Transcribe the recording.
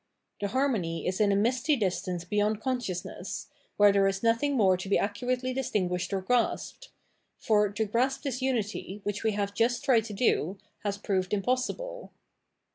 The harmony is in a misty distance beyond consciousness, where there is nothing more to be accurately distinguished or grasped ; for, to grasp this unity, which we have just tried to do, has proved impossible.